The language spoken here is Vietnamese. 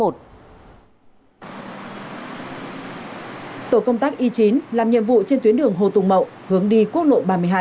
tổ công tác y chín làm nhiệm vụ trên tuyến đường hồ tùng mậu hướng đi quốc lộ ba mươi hai